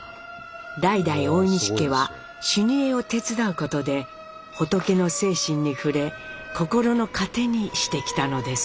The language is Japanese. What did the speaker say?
代々大西家は修二会を手伝うことで仏の精神に触れ心の糧にしてきたのです。